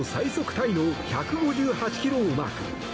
タイの１５８キロをマーク。